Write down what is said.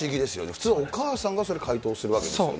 普通、お母さんがそれ回答するわけですよね。